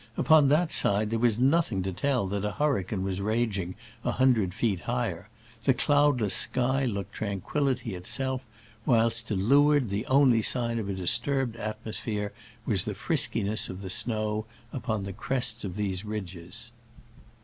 Upon that side there was nothing to tell that a hurricane was raging a hundred feet higher; the cloudless sky looked tranquillity itself; whilst to leeward the only sign of a disturbed atmosphere was the friskiness of the snow upon the crests of the ridges.